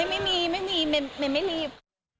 โอ๊ยไม่มีไม่มีไม่รีบ